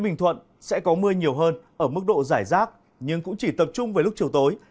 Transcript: bình thuận sẽ có mưa nhiều hơn ở mức độ giải rác nhưng cũng chỉ tập trung về lúc chiều tối